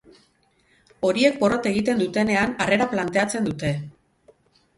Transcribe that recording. Horiek porrot egiten dutenean, harrera planteatzen dute.